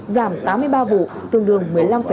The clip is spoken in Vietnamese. giảm tám mươi ba vụ tương đương một mươi năm